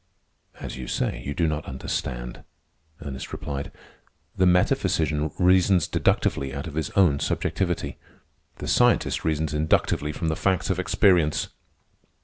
"As you say, you do not understand," Ernest replied. "The metaphysician reasons deductively out of his own subjectivity. The scientist reasons inductively from the facts of experience.